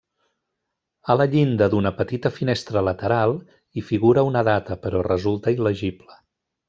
A la llinda d'una petita finestra lateral hi figura una data però resulta il·legible.